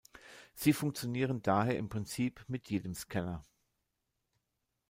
Sie funktionieren daher im Prinzip mit jedem Scanner.